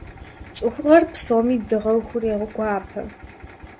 ЦӀыхугъэр псоми дыгъэу хурегуапэ.